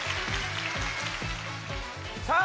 さあ